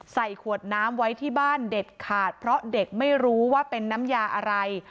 ใส่ขวดน้ำไว้ที่บ้านเด็ดขาดเพราะเด็กไม่รู้ว่าเป็นน้ำยาอะไร